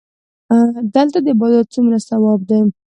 دلته د عبادت څومره ثواب دی.